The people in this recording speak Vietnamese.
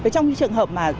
trong trường hợp mà